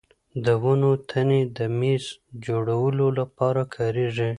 د ونو تنې د مېز جوړولو لپاره کارېږي.